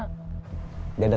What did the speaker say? kamu ngerekrut dia dari mana